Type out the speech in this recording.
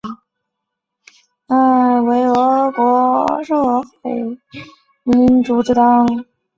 该组织后来演变为俄国社会民主工党。